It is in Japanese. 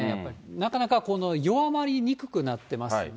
なかなか弱まりにくくなってますね。